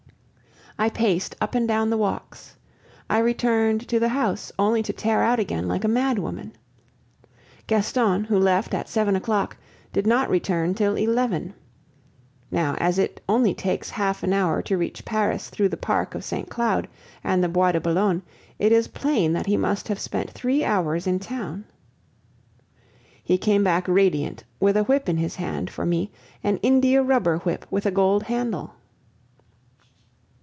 I paced up and down the walks. I returned to the house, only to tear out again, like a mad woman. Gaston, who left at seven o'clock, did not return till eleven. Now, as it only takes half an hour to reach Paris through the park of St. Cloud and the Bois de Boulogne, it is plain that he must have spent three hours in town. He came back radiant, with a whip in his hand for me, an india rubber whip with a gold handle.